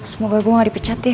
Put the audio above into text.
semoga gue gak dipecat deh